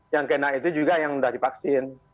yang kena itu juga yang sudah divaksin